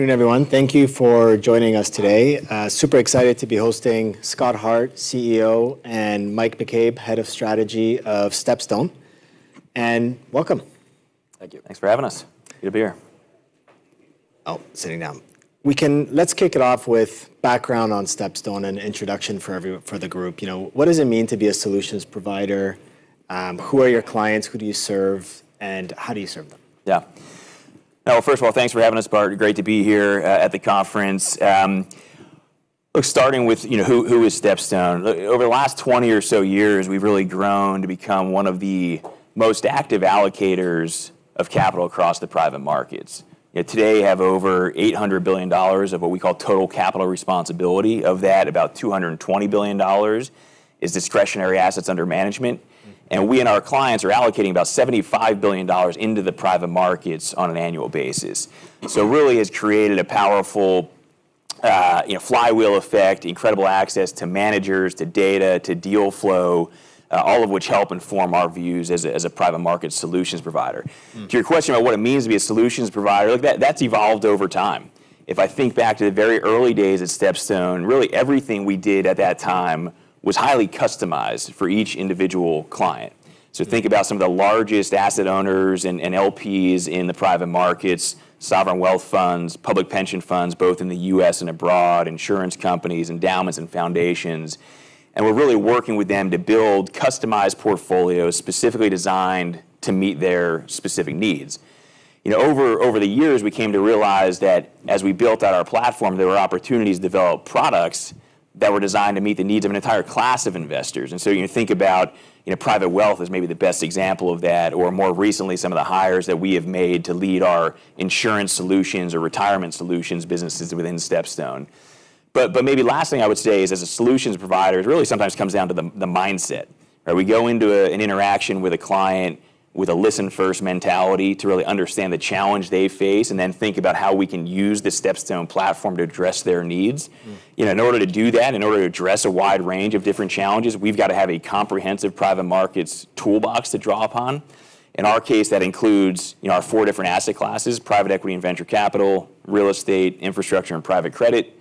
Good everyone. Thank you for joining us today. Super excited to be hosting Scott Hart, CEO, and Mike McCabe, Head of Strategy of StepStone, and welcome. Thank you. Thanks for having us. Good to be here. Oh, sitting down. Let's kick it off with background on StepStone and introduction for the group. You know, what does it mean to be a solutions provider? Who are your clients, who do you serve, and how do you serve them? Yeah. Well, first of all, thanks for having us, Bart. Great to be here at the conference. Look, starting with, you know, who is StepStone. Over the last 20 or so years, we've really grown to become one of the most active allocators of capital across the private markets. Yet today, have over $800 billion of what we call total capital responsibility. Of that, about $220 billion is discretionary assets under management. We and our clients are allocating about $75 billion into the private markets on an annual basis. Really has created a powerful, you know, flywheel effect, incredible access to managers, to data, to deal flow, all of which help inform our views as a private market solutions provider. Mm. To your question about what it means to be a solutions provider, look, that's evolved over time. If I think back to the very early days at StepStone, really everything we did at that time was highly customized for each individual client. Think about some of the largest asset owners and LPs in the private markets, sovereign wealth funds, public pension funds, both in the U.S. and abroad, insurance companies, endowments and foundations, and we're really working with them to build customized portfolios specifically designed to meet their specific needs. You know, over the years, we came to realize that as we built out our platform, there were opportunities to develop products that were designed to meet the needs of an entire class of investors. You think about, you know, private wealth as maybe the best example of that, or more recently, some of the hires that we have made to lead our insurance solutions or retirement solutions businesses within StepStone. But maybe last thing I would say is as a solutions provider, it really sometimes comes down to the mindset, right? We go into an interaction with a client with a listen first mentality to really understand the challenge they face, and then think about how we can use the StepStone platform to address their needs. Mm. You know, in order to do that, in order to address a wide range of different challenges, we've gotta have a comprehensive private markets toolbox to draw upon. In our case, that includes, you know, our four different asset classes, private equity and venture capital, real estate, infrastructure, and private credit.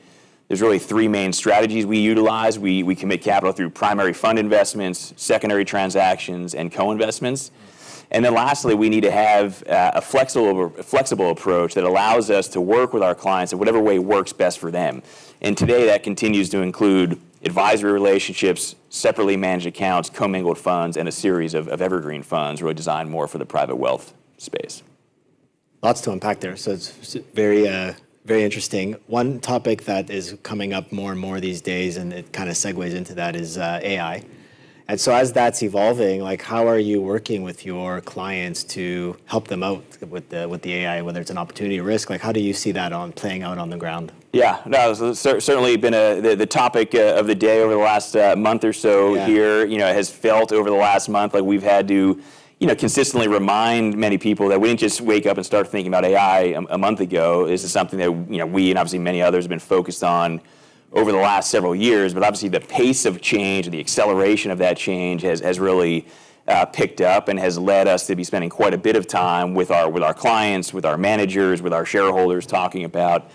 There's really three main strategies we utilize. We commit capital through primary fund investments, secondary transactions, and co-investments. We need to have a flexible approach that allows us to work with our clients in whatever way works best for them. Today, that continues to include advisory relationships, separately managed accounts, commingled funds, and a series of evergreen funds really designed more for the private wealth space. Lots to unpack there so it's very interesting. One topic that is coming up more and more these days, and it kinda segues into that is AI. As that's evolving, like, how are you working with your clients to help them out with the AI, whether it's an opportunity or risk? Like, how do you see that playing out on the ground? Yeah. No, certainly been the topic of the day over the last month or so. Yeah. here. You know, it has felt over the last month like we've had to, you know, consistently remind many people that we didn't just wake up and start thinking about AI a month ago. This is something that, you know, we and obviously many others have been focused on over the last several years. Obviously the pace of change and the acceleration of that change has really picked up and has led us to be spending quite a bit of time with our clients, with our managers, with our shareholders, talking about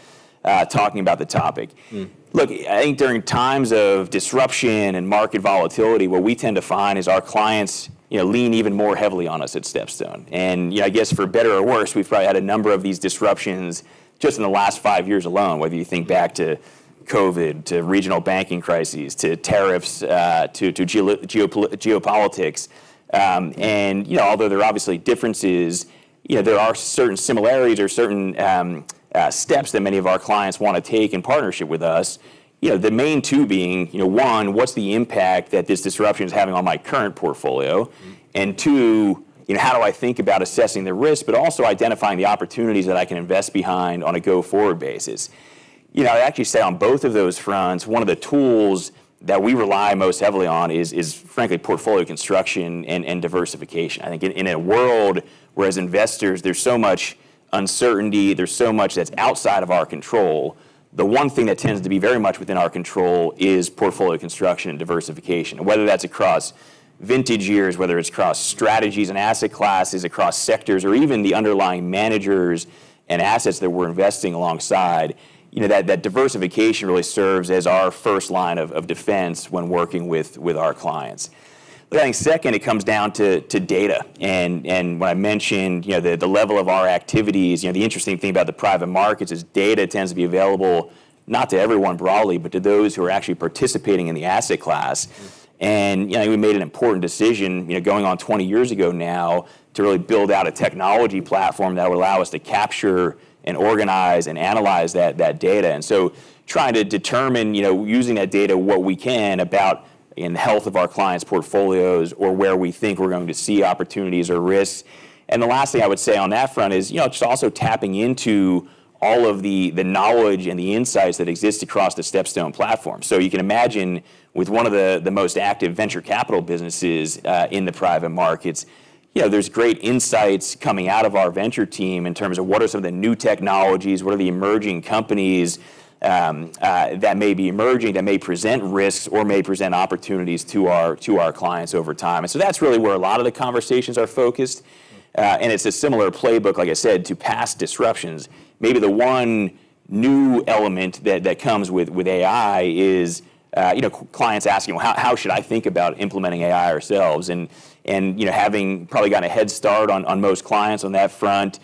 the topic. Mm. Look, I think during times of disruption and market volatility, what we tend to find is our clients, you know, lean even more heavily on us at StepStone. You know, I guess for better or worse, we've probably had a number of these disruptions just in the last five years alone, whether you think back to COVID, to regional banking crises, to tariffs, to geopolitics. You know, although there are obviously differences, you know, there are certain similarities or certain steps that many of our clients wanna take in partnership with us. You know, the main two being, you know, one, what's the impact that this disruption is having on my current portfolio? Mm. Two, you know, how do I think about assessing the risk but also identifying the opportunities that I can invest behind on a go-forward basis? You know, I'd actually say on both of those fronts, one of the tools that we rely most heavily on is frankly, portfolio construction and diversification. I think in a world where as investors, there's so much uncertainty, there's so much that's outside of our control, the one thing that tends to be very much within our control is portfolio construction and diversification. Whether that's across vintage years, whether it's across strategies and asset classes, across sectors, or even the underlying managers and assets that we're investing alongside, you know, that diversification really serves as our first line of defense when working with our clients. I think second, it comes down to data, and when I mentioned, you know, the level of our activities, you know, the interesting thing about the private markets is data tends to be available, not to everyone broadly, but to those who are actually participating in the asset class. Mm. You know, we made an important decision, you know, going on 20 years ago now, to really build out a technology platform that would allow us to capture and organize and analyze that data. Trying to determine, you know, using that data, what we can about the health of our clients' portfolios or where we think we're going to see opportunities or risks. The last thing I would say on that front is, you know, just also tapping into all of the knowledge and the insights that exist across the StepStone platform. You can imagine with one of the most active venture capital businesses in the private markets, you know, there's great insights coming out of our venture team in terms of what are some of the new technologies, what are the emerging companies that may present risks or may present opportunities to our clients over time. That's really where a lot of the conversations are focused. It's a similar playbook, like I said, to past disruptions. Maybe the one new element that comes with AI is, you know, clients asking, "Well, how should I think about implementing AI ourselves?" And you know, having probably gotten a head start on most clients on that front,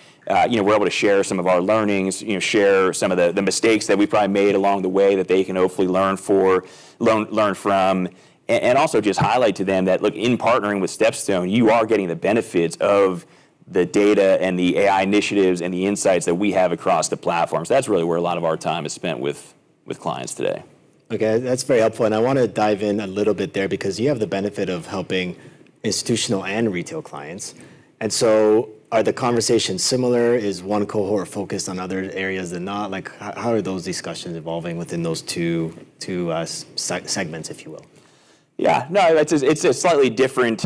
you know, we're able to share some of our learnings, you know, share some of the mistakes that we probably made along the way that they can hopefully learn from, and also just highlight to them that, look, in partnering with StepStone, you are getting the benefits of the data and the AI initiatives and the insights that we have across the platform. So that's really where a lot of our time is spent with clients today. Okay. That's very helpful, and I wanna dive in a little bit there, because you have the benefit of helping institutional and retail clients, and so are the conversations similar? Is one cohort focused on other areas than not? Like, how are those discussions evolving within those two segments, if you will? Yeah. No, it's a slightly different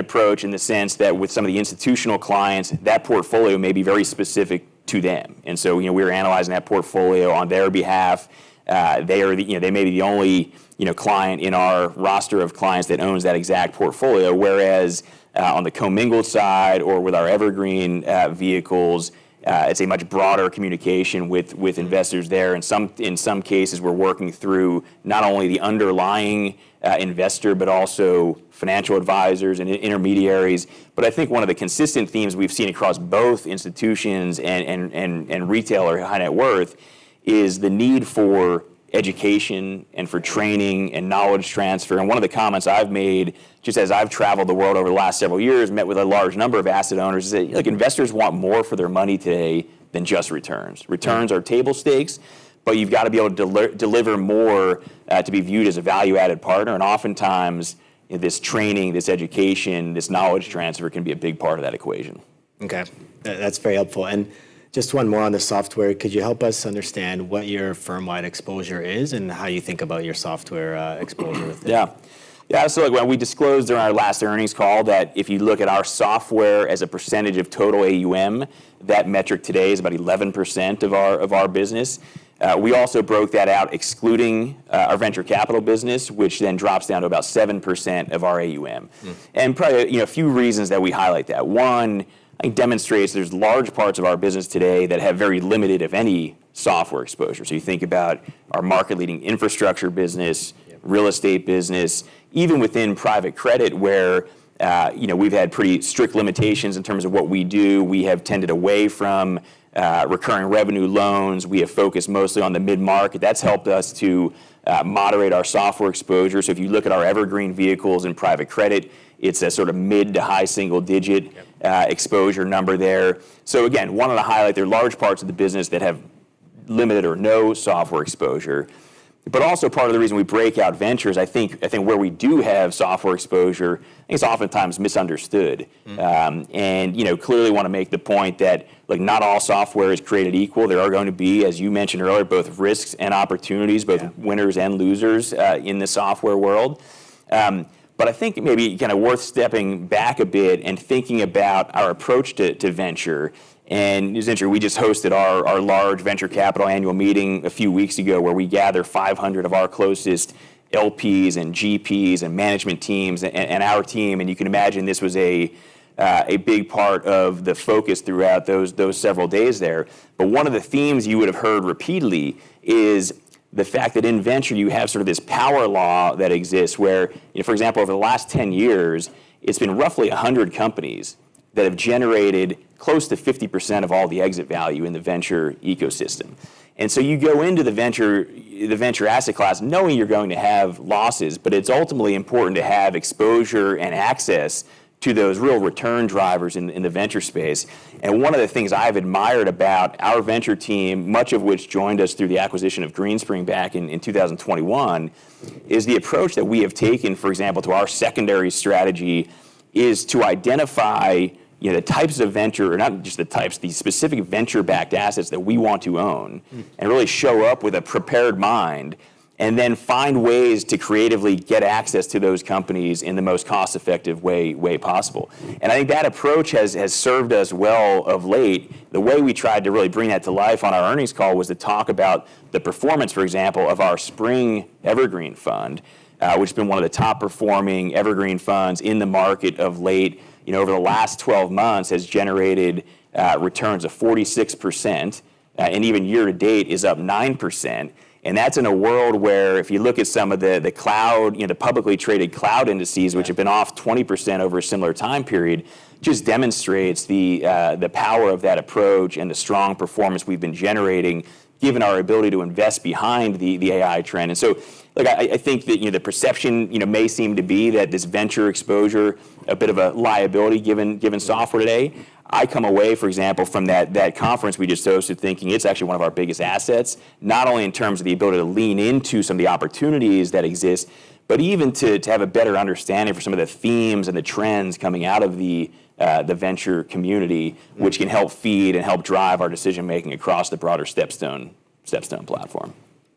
approach in the sense that with some of the institutional clients, that portfolio may be very specific to them. You know, we're analyzing that portfolio on their behalf. You know, they may be the only, you know, client in our roster of clients that owns that exact portfolio, whereas on the commingled side or with our evergreen vehicles, it's a much broader communication with investors there. In some cases, we're working through not only the underlying investor, but also financial advisors and intermediaries. I think one of the consistent themes we've seen across both institutions and retail or high net worth is the need for education and for training and knowledge transfer. One of the comments I've made, just as I've traveled the world over the last several years, met with a large number of asset owners, is that, you know, investors want more for their money today than just returns. Yeah. Returns are table stakes, but you've gotta be able to deliver more, to be viewed as a value-added partner, and oftentimes, this training, this education, this knowledge transfer can be a big part of that equation. Okay. That's very helpful. Just one more on the software. Could you help us understand what your firm-wide exposure is and how you think about your software exposure with it? Yeah. Yeah, so like what we disclosed during our last earnings call, that if you look at our software as a percentage of total AUM, that metric today is about 11% of our business. We also broke that out excluding our venture capital business, which then drops down to about 7% of our AUM. Mm. Probably, you know, a few reasons that we highlight that. One, it demonstrates there's large parts of our business today that have very limited, if any, software exposure. You think about our market leading infrastructure business. Yeah. Real estate business. Even within private credit where, you know, we've had pretty strict limitations in terms of what we do. We have tended away from recurring revenue loans. We have focused mostly on the mid-market. That's helped us to moderate our software exposure. If you look at our evergreen vehicles in private credit, it's a sort of mid to high single digit. Yep. Exposure number there. Again, wanted to highlight there are large parts of the business that have limited or no software exposure. Also part of the reason we break out ventures, I think where we do have software exposure, I think it's oftentimes misunderstood. Mm. You know, clearly wanna make the point that, like, not all software is created equal. There are going to be, as you mentioned earlier, both risks and opportunities. Yeah. Both winners and losers in the software world. I think maybe kinda worth stepping back a bit and thinking about our approach to venture, and as mentioned, we just hosted our large venture capital annual meeting a few weeks ago, where we gather 500 of our closest LPs and GPs and management teams and our team, and you can imagine this was a big part of the focus throughout those several days there. One of the themes you would've heard repeatedly is the fact that in venture you have sort of this power law that exists where, you know, for example, over the last 10 years, it's been roughly 100 companies that have generated close to 50% of all the exit value in the venture ecosystem. You go into the venture asset class knowing you're going to have losses, but it's ultimately important to have exposure and access to those real return drivers in the venture space. One of the things I've admired about our venture team, much of which joined us through the acquisition of Greenspring back in 2021, is the approach that we have taken, for example, to our secondary strategy, to identify, you know, the types of venture, or not just the types, the specific venture-backed assets that we want to own. Mm. Really show up with a prepared mind, and then find ways to creatively get access to those companies in the most cost-effective way possible. I think that approach has served us well of late. The way we tried to really bring that to life on our earnings call was to talk about the performance, for example, of our SPRING evergreen fund, which has been one of the top performing evergreen funds in the market of late. You know, over the last 12 months has generated returns of 46%, and even year to date is up 9%, and that's in a world where if you look at some of the cloud indices, you know, the publicly traded cloud indices which have been off 20% over a similar time period, just demonstrates the power of that approach and the strong performance we've been generating given our ability to invest behind the AI trend. Like I think that, you know, the perception, you know, may seem to be that this venture exposure a bit of a liability given software today. I come away, for example, from that conference we just hosted thinking it's actually one of our biggest assets, not only in terms of the ability to lean into some of the opportunities that exist, but even to have a better understanding for some of the themes and the trends coming out of the venture community which can help feed and help drive our decision-making across the broader StepStone platform.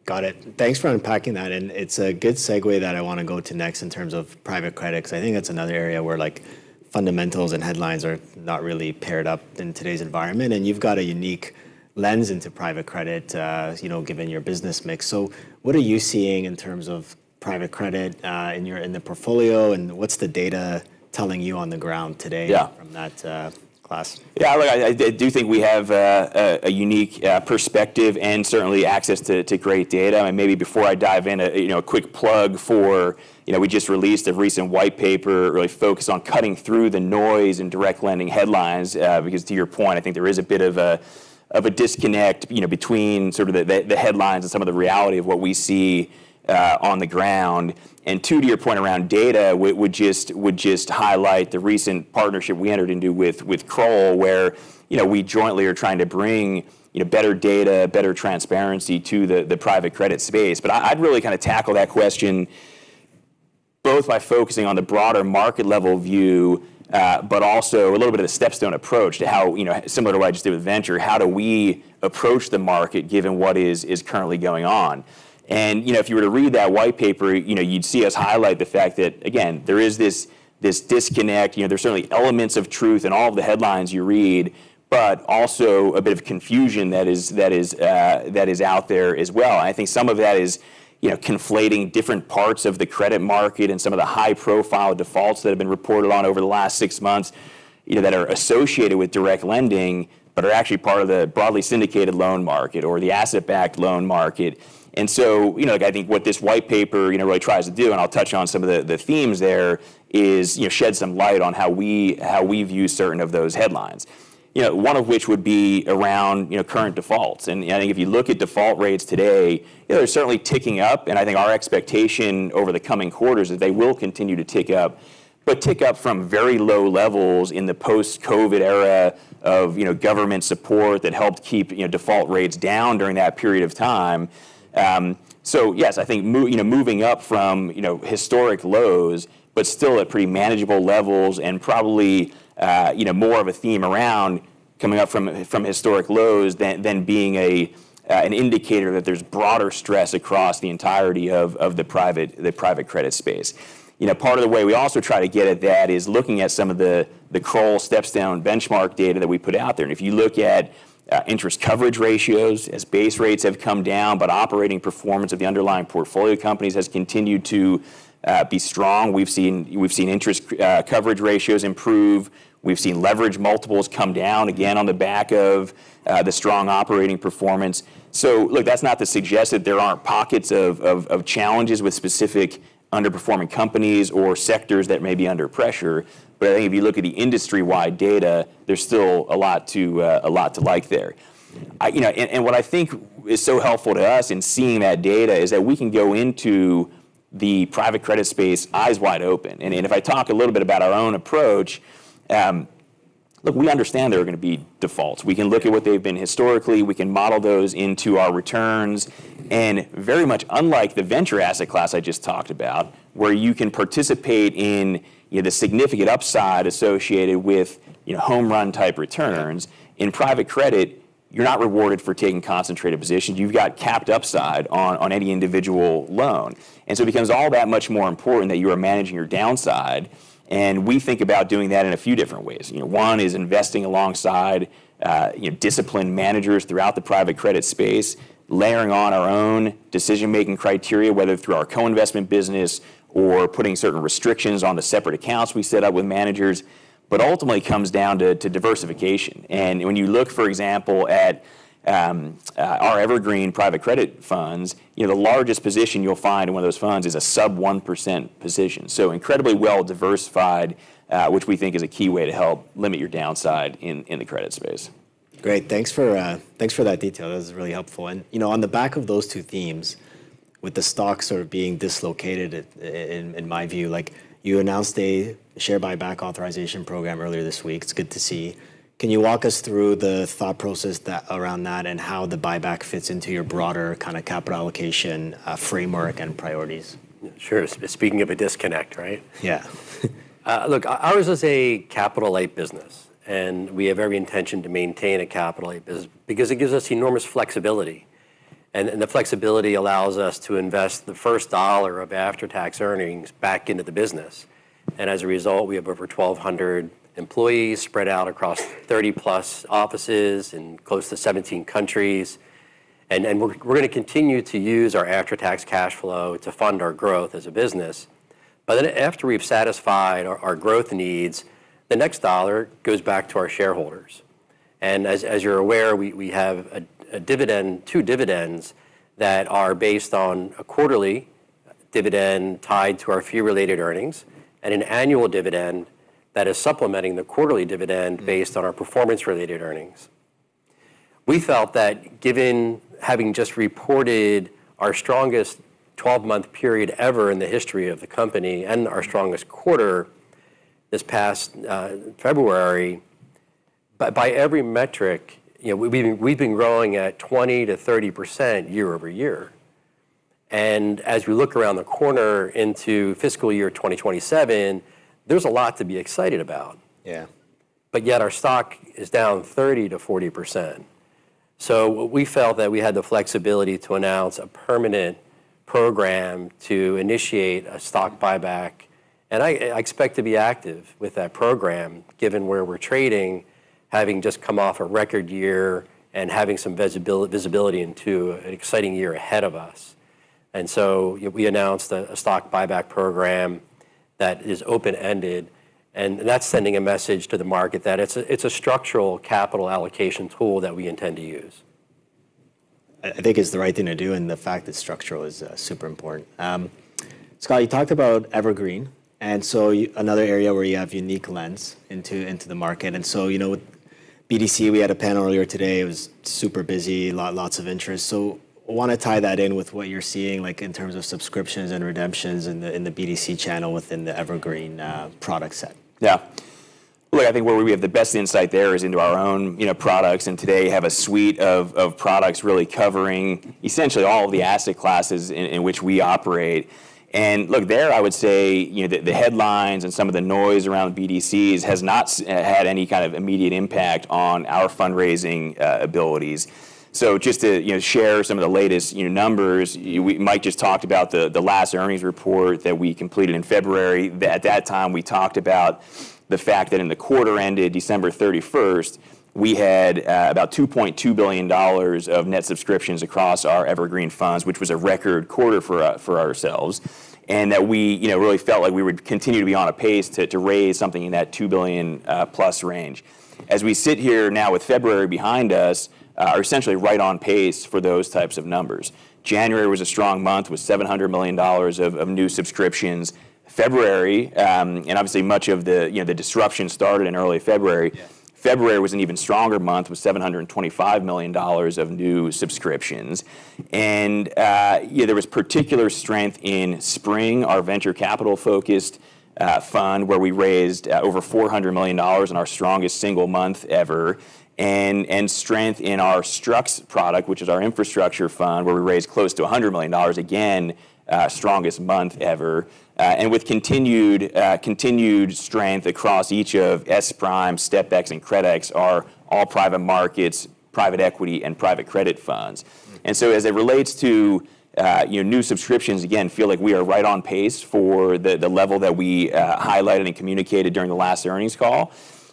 Got it. Thanks for unpacking that, and it's a good segue that I wanna go to next in terms of private credit, 'cause I think that's another area where, like, fundamentals and headlines are not really paired up in today's environment, and you've got a unique lens into private credit, you know, given your business mix. What are you seeing in terms of private credit, in your, in the portfolio, and what's the data telling you on the ground today? Yeah. From that class? Yeah, look, I do think we have a unique perspective and certainly access to great data, and maybe before I dive in, you know, a quick plug for, you know, we just released a recent white paper really focused on cutting through the noise in direct lending headlines, because to your point, I think there is a bit of a disconnect, you know, between sort of the headlines and some of the reality of what we see on the ground. Two, to your point around data, we would just highlight the recent partnership we entered into with Kroll, where, you know, we jointly are trying to bring, you know, better data, better transparency to the private credit space. I'd really kinda tackle that question both by focusing on the broader market-level view, but also a little bit of the StepStone approach to how, you know, similar to what I just did with venture, how do we approach the market given what is currently going on. You know, if you were to read that white paper, you know, you'd see us highlight the fact that, again, there is this disconnect. You know, there's certainly elements of truth in all of the headlines you read, but also a bit of confusion that is out there as well, and I think some of that is, you know, conflating different parts of the credit market and some of the high-profile defaults that have been reported on over the last six months, you know, that are associated with direct lending, but are actually part of the broadly syndicated loan market or the asset-backed loan market. You know, like, I think what this white paper, you know, really tries to do, and I'll touch on some of the themes there, is, you know, shed some light on how we view certain of those headlines. You know, one of which would be around, you know, current defaults, and I think if you look at default rates today, you know, they're certainly ticking up, and I think our expectation over the coming quarters is they will continue to tick up, but tick up from very low levels in the post-COVID era of, you know, government support that helped keep, you know, default rates down during that period of time. Yes, I think you know, moving up from, you know, historic lows, but still at pretty manageable levels and probably, you know, more of a theme around coming up from historic lows than being an indicator that there's broader stress across the entirety of the private credit space. You know, part of the way we also try to get at that is looking at some of the Kroll StepStone benchmark data that we put out there, and if you look at interest coverage ratios, as base rates have come down, but operating performance of the underlying portfolio companies has continued to be strong. We've seen interest coverage ratios improve. We've seen leverage multiples come down, again, on the back of the strong operating performance. Look, that's not to suggest that there aren't pockets of challenges with specific underperforming companies or sectors that may be under pressure. I think if you look at the industry-wide data, there's still a lot to like there. You know, what I think is so helpful to us in seeing that data is that we can go into the private credit space eyes wide open, and if I talk a little bit about our own approach, look, we understand there are gonna be defaults. We can look at what they've been historically. We can model those into our returns. Very much unlike the venture asset class I just talked about, where you can participate in, you know, the significant upside associated with, you know, home run-type returns, in private credit, you're not rewarded for taking concentrated positions. You've got capped upside on any individual loan, and so it becomes all that much more important that you are managing your downside, and we think about doing that in a few different ways. You know, one is investing alongside, you know, disciplined managers throughout the private credit space, layering on our own decision-making criteria, whether through our co-investment business or putting certain restrictions on the separate accounts we set up with managers, but ultimately it comes down to diversification. When you look, for example, at our evergreen private credit funds, you know, the largest position you'll find in one of those funds is a sub 1% position, so incredibly well-diversified, which we think is a key way to help limit your downside in the credit space. Great. Thanks for that detail. That was really helpful. You know, on the back of those two themes, with the stock sort of being dislocated in my view, like, you announced a share buyback authorization program earlier this week. It's good to see. Can you walk us through the thought process around that and how the buyback fits into your broader kinda capital allocation framework and priorities? Sure. Speaking of a disconnect, right? Yeah. Look, ours is a capital-light business, and we have every intention to maintain a capital-light business because it gives us enormous flexibility, and the flexibility allows us to invest the first dollar of after-tax earnings back into the business. As a result, we have over 1,200 employees spread out across 30+ offices in close to 17 countries, and we're gonna continue to use our after-tax cash flow to fund our growth as a business. After we've satisfied our growth needs, the next dollar goes back to our shareholders. As you're aware, we have two dividends that are based on a quarterly dividend tied to our fee-related earnings, and an annual dividend that is supplementing the quarterly dividend based on our performance-related earnings. We felt that given having just reported our strongest 12-month period ever in the history of the company and our strongest quarter this past February, by every metric, you know, we've been growing at 20%-30% year-over-year. As we look around the corner into fiscal year 2027, there's a lot to be excited about. Yeah. Yet our stock is down 30%-40%. What we felt that we had the flexibility to announce a permanent program to initiate a stock buyback, and I expect to be active with that program given where we're trading, having just come off a record year and having some visibility into an exciting year ahead of us. We announced a stock buyback program that is open-ended, and that's sending a message to the market that it's a structural capital allocation tool that we intend to use. I think it's the right thing to do and the fact that structural is super important. Scott, you talked about Evergreen, and so another area where you have unique lens into the market. You know, BDC, we had a panel earlier today, it was super busy, lots of interest. Wanna tie that in with what you're seeing, like, in terms of subscriptions and redemptions in the BDC channel within the Evergreen product set. Yeah. Look, I think where we have the best insight there is into our own, you know, products, and today have a suite of products really covering essentially all of the asset classes in which we operate. Look, there, I would say, you know, the headlines and some of the noise around BDCs has not had any kind of immediate impact on our fundraising abilities. Just to, you know, share some of the latest, you know, numbers, Mike just talked about the last earnings report that we completed in February. At that time, we talked about the fact that in the quarter ended December 31st, we had about $2.2 billion of net subscriptions across our evergreen funds, which was a record quarter for ourselves, and that we, you know, really felt like we would continue to be on a pace to raise something in that $2+ billion range. As we sit here now with February behind us, we are essentially right on pace for those types of numbers. January was a strong month with $700 million of new subscriptions. February, and obviously much of the, you know, the disruption started in early February. Yeah. February was an even stronger month with $725 million of new subscriptions. There was particular strength in SPRING, our venture capital-focused fund, where we raised over $400 million in our strongest single month ever. Strength in our STRUX product, which is our infrastructure fund, where we raised close to $100 million, again, strongest month ever. With continued strength across each of SPRIM, STPEX, and CRDEX, which are all private markets, private equity, and private credit funds. As it relates to, you know, new subscriptions, again, feel like we are right on pace for the level that we highlighted and communicated during the last earnings call.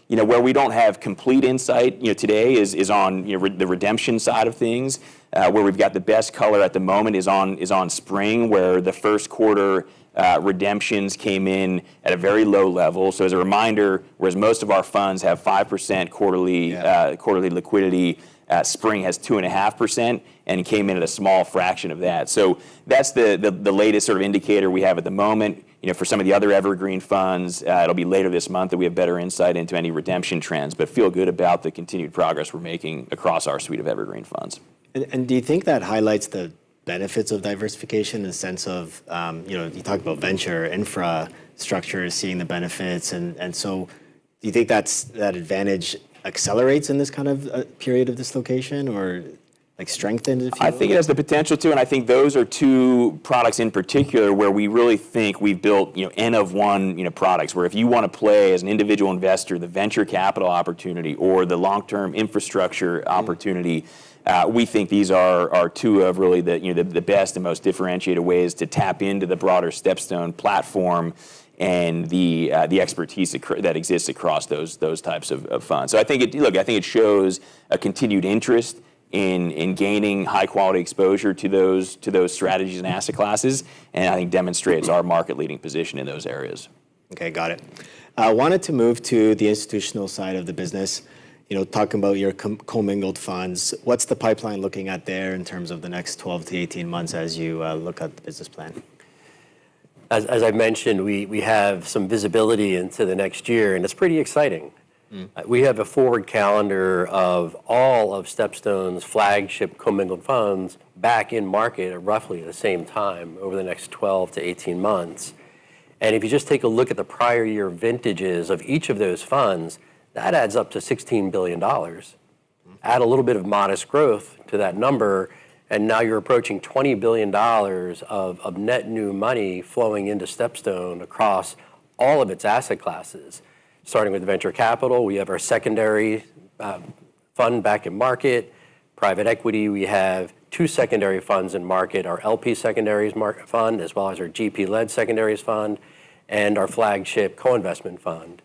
You know, where we don't have complete insight, you know, today is on, you know, the redemption side of things. Where we've got the best color at the moment is on SPRING, where the first quarter redemptions came in at a very low level. As a reminder, whereas most of our funds have 5% quarterly. Yeah. Quarterly liquidity, SPRING has 2.5%, and it came in at a small fraction of that. That's the latest sort of indicator we have at the moment. You know, for some of the other evergreen funds, it'll be later this month that we have better insight into any redemption trends, but feel good about the continued progress we're making across our suite of evergreen funds. Do you think that highlights the benefits of diversification in the sense of, you know, you talk about venture infrastructure seeing the benefits, and so do you think that's, that advantage accelerates in this kind of, period of dislocation or, like, strengthened if you will? I think it has the potential to, and I think those are two products in particular where we really think we've built, you know, N of one, you know, products, where if you wanna play as an individual investor the venture capital opportunity or the long-term infrastructure opportunity. Mm. We think these are two of really the, you know, the best and most differentiated ways to tap into the broader StepStone platform and the expertise across that exists across those types of funds. I think it. Look, I think it shows a continued interest in gaining high quality exposure to those strategies and asset classes, and I think demonstrates our market leading position in those areas. Okay, got it. I wanted to move to the institutional side of the business. You know, talking about your commingled funds, what's the pipeline looking at there in terms of the next 12-18 months as you look at the business plan? As I mentioned, we have some visibility into the next year, and it's pretty exciting. Mm. We have a forward calendar of all of StepStone's flagship commingled funds back in market at roughly the same time over the next 12-18 months. If you just take a look at the prior year vintages of each of those funds, that adds up to $16 billion. Mm. Add a little bit of modest growth to that number, and now you're approaching $20 billion of net new money flowing into StepStone across all of its asset classes. Starting with venture capital, we have our secondary fund back in market. Private equity, we have two secondary funds in market, our LP secondaries market fund, as well as our GP-led secondaries fund, and our flagship co-investment fund.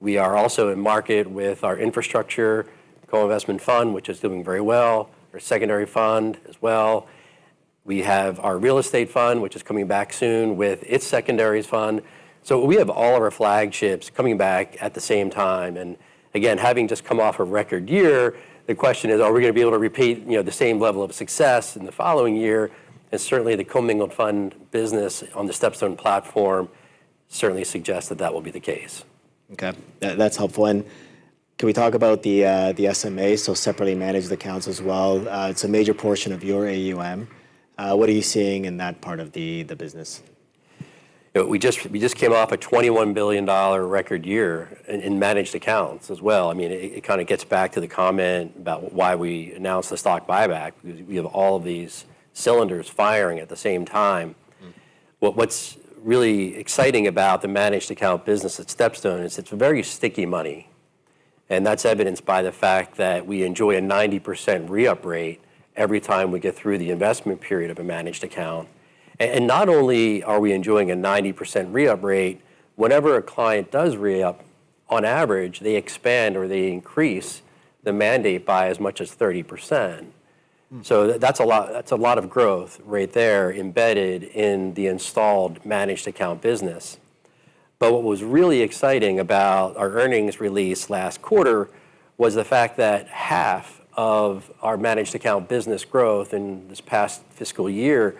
We are also in market with our infrastructure co-investment fund, which is doing very well, our secondary fund as well. We have our real estate fund, which is coming back soon with its secondaries fund. We have all of our flagships coming back at the same time. Again, having just come off a record year, the question is, are we gonna be able to repeat, you know, the same level of success in the following year? Certainly, the commingled fund business on the StepStone platform certainly suggests that that will be the case. Okay. That's helpful. Can we talk about the SMA, so separately managed accounts as well? It's a major portion of your AUM. What are you seeing in that part of the business? We just came off a $21 billion record year in managed accounts as well. I mean, it kinda gets back to the comment about why we announced the stock buyback. We have all these cylinders firing at the same time. Mm. What's really exciting about the managed account business at StepStone is it's very sticky money, and that's evidenced by the fact that we enjoy a 90% re-up rate every time we get through the investment period of a managed account. Not only are we enjoying a 90% re-up rate, whenever a client does re-up, on average, they expand or they increase the mandate by as much as 30%. Mm. That's a lot of growth right there embedded in the institutional managed account business. What was really exciting about our earnings release last quarter was the fact that half of our managed account business growth in this past fiscal year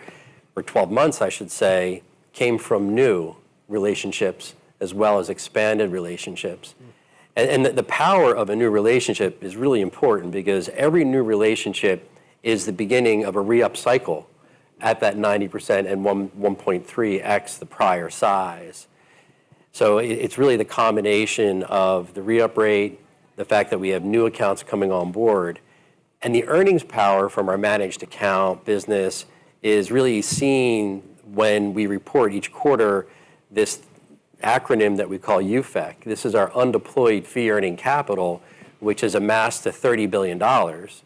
or 12 months I should say, came from new relationships as well as expanded relationships. Mm. The power of a new relationship is really important because every new relationship is the beginning of a re-up cycle at that 90% and 1.3x the prior size. It's really the combination of the re-up rate, the fact that we have new accounts coming on board, and the earnings power from our managed account business is really seen when we report each quarter this acronym that we call UFEC. This is our undeployed fee earning capital, which has amassed to $30 billion. Mm.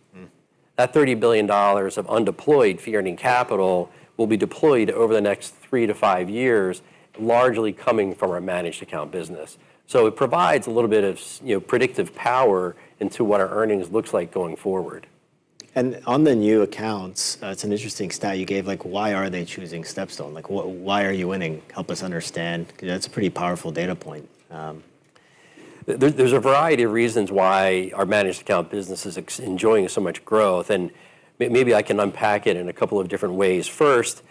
That $30 billion of undeployed fee-earning capital will be deployed over the next 3-5 years, largely coming from our managed account business. It provides a little bit of you know, predictive power into what our earnings looks like going forward. On the new accounts, it's an interesting stat you gave, like why are they choosing StepStone? Like, why are you winning? Help us understand, 'cause that's a pretty powerful data point. There's a variety of reasons why our managed account business is enjoying so much growth, and maybe I can unpack it in a couple of different ways. First,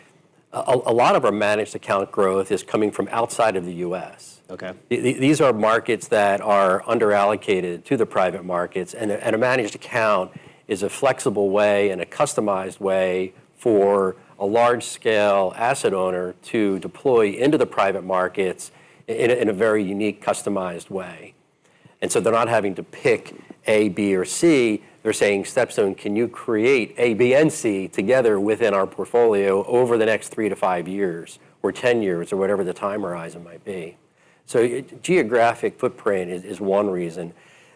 a lot of our managed account growth is coming from outside of the U.S. Okay. These are markets that are under-allocated to the private markets and a managed account is a flexible way and a customized way for a large scale asset owner to deploy into the private markets in a very unique, customized way. They're not having to pick A, B, or C, they're saying, "StepStone, can you create A, B, and C together within our portfolio over the next 3-5 years, or 10 years," or whatever the time horizon might be. Geographic footprint is one reason.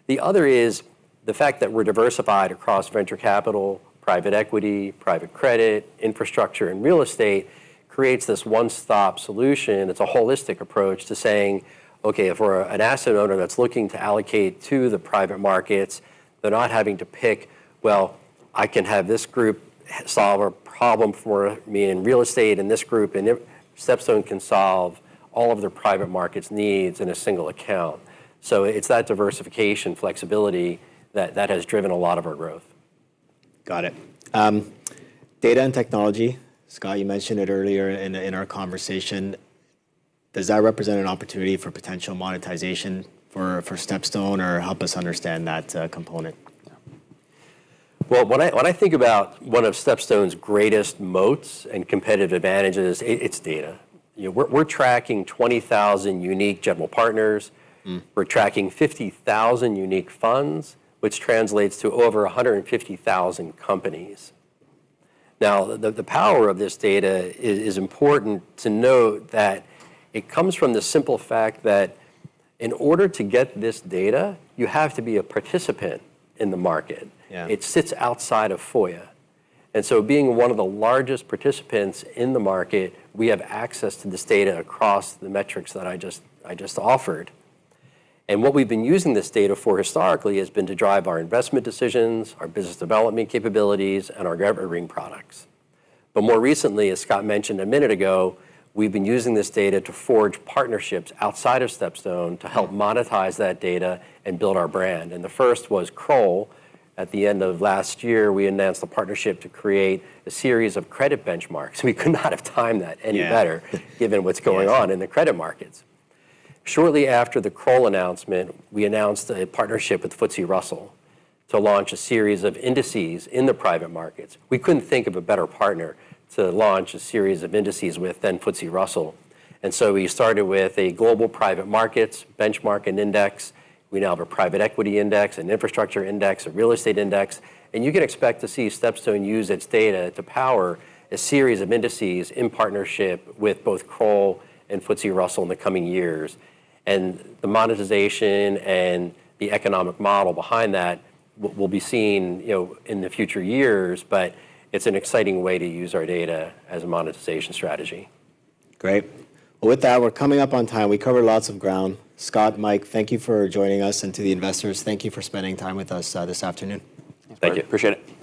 The other is the fact that we're diversified across venture capital, private equity, private credit, infrastructure and real estate, creates this one-stop solution. It's a holistic approach to saying, "Okay, if we're an asset owner that's looking to allocate to the private markets, they're not having to pick, well, I can have this group solve a problem for me in real estate and this group." StepStone can solve all of their private markets needs in a single account. It's that diversification flexibility that has driven a lot of our growth. Got it. Data and technology. Scott, you mentioned it earlier in our conversation. Does that represent an opportunity for potential monetization for StepStone, or help us understand that component? Well, when I think about one of StepStone's greatest moats and competitive advantages, it's data. You know, we're tracking 20,000 unique general partners. Mm. We're tracking 50,000 unique funds, which translates to over 150,000 companies. Now, the power of this data is important to note that it comes from the simple fact that in order to get this data, you have to be a participant in the market. Yeah. It sits outside of FOIA. Being one of the largest participants in the market, we have access to this data across the metrics that I just offered. What we've been using this data for historically has been to drive our investment decisions, our business development capabilities, and our evergreen products. More recently, as Scott mentioned a minute ago, we've been using this data to forge partnerships outside of StepStone to help monetize that data and build our brand, and the first was Kroll. At the end of last year, we announced a partnership to create a series of credit benchmarks. We could not have timed that any better. Yeah. Given what's going on in the credit markets. Shortly after the Kroll announcement, we announced a partnership with FTSE Russell to launch a series of indices in the private markets. We couldn't think of a better partner to launch a series of indices with than FTSE Russell. We started with a global private markets benchmark and index. We now have a private equity index, an infrastructure index, a real estate index, and you can expect to see StepStone use its data to power a series of indices in partnership with both Kroll and FTSE Russell in the coming years. The monetization and the economic model behind that will be seen, you know, in the future years, but it's an exciting way to use our data as a monetization strategy. Great. Well, with that, we're coming up on time. We covered lots of ground. Scott, Mike, thank you for joining us, and to the investors, thank you for spending time with us, this afternoon. Thank you. Appreciate it.